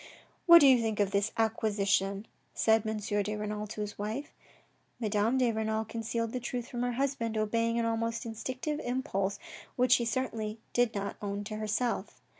" What do you think of this ' acquisition ?'" said M. de Renal to his wife. Madame de Renal concealed the truth from her husband, obeying an almost instinctive impulse which she certainly did not own to herself.